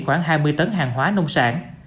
khoảng hai mươi tấn hàng hóa nông sản